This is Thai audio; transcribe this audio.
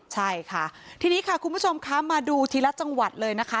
ใช่ค่ะทีนี้ค่ะคุณผู้ชมคะมาดูทีละจังหวัดเลยนะคะ